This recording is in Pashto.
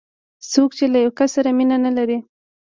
څوک چې د یو کس سره مینه نه لري.